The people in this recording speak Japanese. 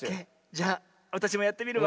じゃあわたしもやってみるわ。